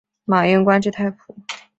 马英官至太仆。